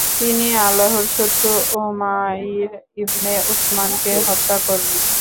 তিনি আল্লাহর শত্রু উমাইর ইবনে উসমানকে হত্যা করলেন।